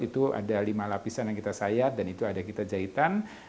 itu ada lima lapisan yang kita sayat dan itu ada kita jahitan